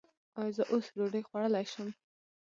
ایا زه اوس ډوډۍ خوړلی شم؟